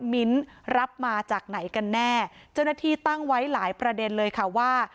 มิ้นรับมาจากไหนกันแน่เจ้าหน้าที่ตั้งไว้หลายประเด็นเลยค่ะว่า